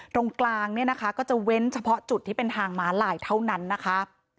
ตรงกลางเนี่ยนะคะก็จะเว้นเฉพาะจุดที่เป็นทางม้าลายเท่านั้นนะคะ